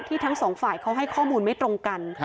ทั้งสองฝ่ายเขาให้ข้อมูลไม่ตรงกัน